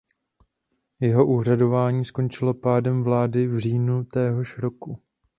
Jeho úřadování skončilo pádem vlády v říjnu téhož roku.